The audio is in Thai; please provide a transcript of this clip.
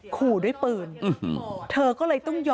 ขู่ด้วยปืน